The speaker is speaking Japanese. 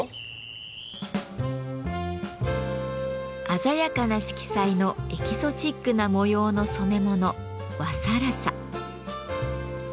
鮮やかな色彩のエキゾチックな模様の染め物「和更紗」。